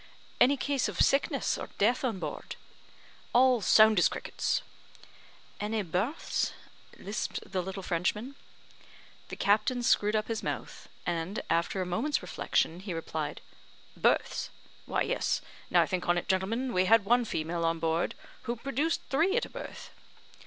"Any case of sickness or death on board?" "All sound as crickets." "Any births?" lisped the little Frenchman. The captain screwed up his mouth, and after a moment's reflection he replied, "Births? Why, yes; now I think on't, gentlemen, we had one female on board, who produced three at a birth."